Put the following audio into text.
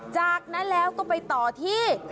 จากนั้นแล้วก็ไปต่อที่